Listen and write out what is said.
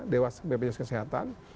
dewas bpjs kesehatan